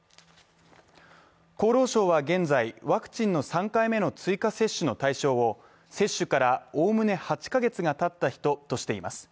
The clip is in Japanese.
厚労省は現在、ワクチンの３回目の追加接種の対象を接種からおおむね８カ月がたった人としています。